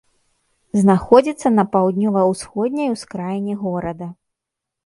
Знаходзіцца на паўднёва-ўсходняй ускраіне горада.